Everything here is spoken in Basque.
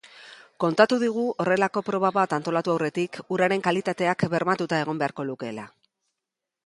Kontatu digu horrelako proba bat antolatu aurretik uraren kalitateak bermatuta egon beharko lukeela.